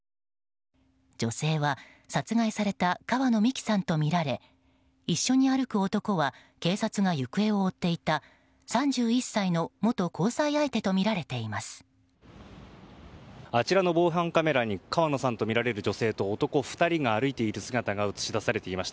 女性は殺害された川野美樹さんとみられ一緒に歩く男は警察が行方を追っていた３１歳の元交際相手とみられています。